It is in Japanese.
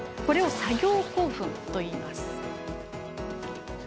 これを作業興奮といいます。